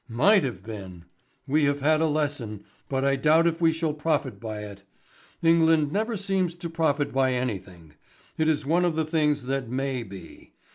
"Might have been! We have had a lesson, but I doubt if we shall profit by it. England never seems to profit by anything. It is one of the things that may be.